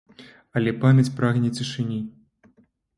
Але памяць прагне цішыні.